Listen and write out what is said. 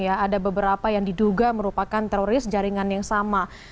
ada beberapa yang diduga merupakan teroris jaringan yang sama